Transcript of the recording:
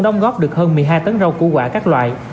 đóng góp được hơn một mươi hai tấn rau củ quả các loại